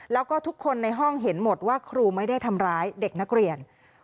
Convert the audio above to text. แล้วก็ทุกคนในห้องเห็นหมดว่าครูไม่ได้ทำร้ายเด็กนักเรียน